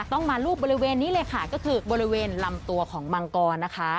ต้องมารูปบริเวณนี้เลยค่ะก็คือบริเวณลำตัวของมังกรนะคะ